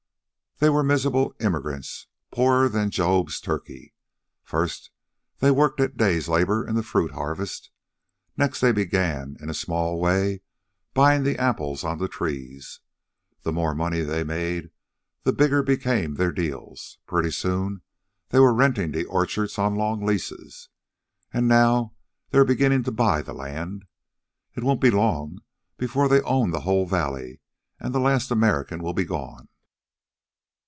They were miserable immigrants poorer than Job's turkey. First, they worked at day's labor in the fruit harvest. Next they began, in a small way, buying the apples on the trees. The more money they made the bigger became their deals. Pretty soon they were renting the orchards on long leases. And now, they are beginning to buy the land. It won't be long before they own the whole valley, and the last American will be gone.